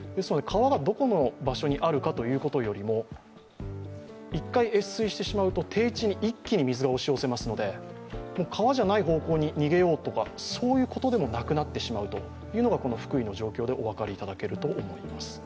川がどこの場所にあるかということよりも一回越水してしまうと低地に一気に水が押し寄せますので川じゃない方向に逃げようとかそういうことでもなくなってしまうということがこの福井の状況でお分かりいただけると思います。